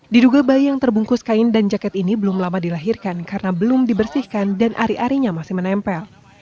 diduga bayi yang terbungkus kain dan jaket ini belum lama dilahirkan karena belum dibersihkan dan ari arinya masih menempel